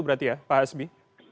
berarti ya pak hasbi